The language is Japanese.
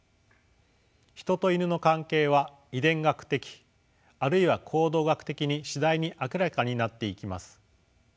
ヒトとイヌの関係は遺伝学的あるいは行動学的に次第に明らかになっていきます。